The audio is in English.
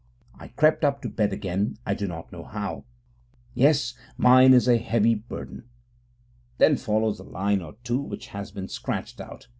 I crept up to bed again, I do not know how. Yes, mine is a heavy burden. [Then follows a line or two which has been scratched out.